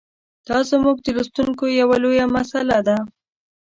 دا زموږ د لوستونکو یوه لویه مساله ده.